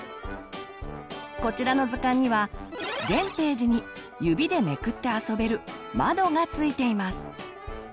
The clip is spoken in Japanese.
こちらの図鑑には全ページに指でめくって遊べる「まど」がついています。